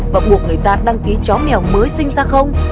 và buộc người ta đăng ký chó mèo mới sinh ra không